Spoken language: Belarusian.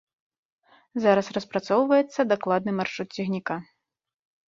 Зараз распрацоўваецца дакладны маршрут цягніка.